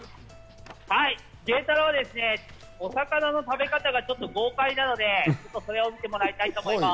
玄太郎はお魚の食べ方がちょっと豪快なので、それを見てもらいたいと思います。